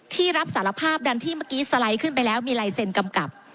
ที่รับสารภาพดันที่เมื่อกี้สไลด์ขึ้นไปแล้วมีลายเซ็นกำกับ